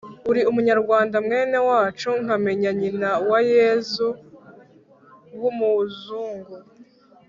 uri umunyarwanda mwene wacu nkamenya nyina wa yezu w’umuzungu?